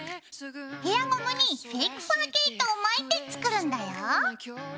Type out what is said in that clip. ヘアゴムにフェイクファー毛糸を巻いて作るんだよ。